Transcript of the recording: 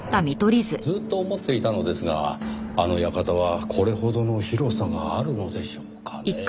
ずっと思っていたのですがあの館はこれほどの広さがあるのでしょうかねぇ？